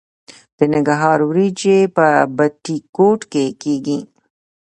د ننګرهار وریجې په بټي کوټ کې کیږي.